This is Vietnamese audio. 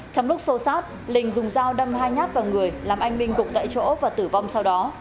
trong lúc xô sát linh dùng dao đâm hai nhát vào người làm anh minh gục tại chỗ và tử vong sau đó